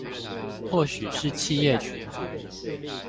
或許是企業群組